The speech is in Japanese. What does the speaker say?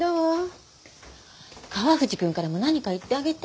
川藤君からも何か言ってあげて。